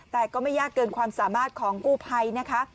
แต่ก็ไม่ยากเกินความสามารถของกู้ภัยนะคะ